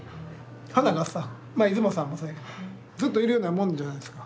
まあ出雲さんもそうやけどずっといるようなもんじゃないですか。